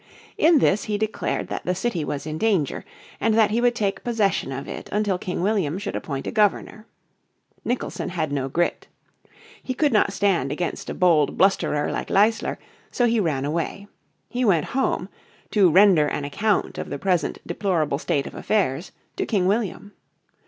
In this he declared that the city was in danger, and that he would take possession of it until King William should appoint a Governor. Nicholson had no grit. He could not stand against a bold blusterer like Leisler, so he ran away. He went home "to render an account of the present deplorable state of affairs" to King William.